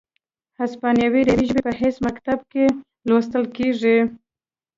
هسپانیوي د یوې ژبې په حیث مکتب کې لوستل کیږي،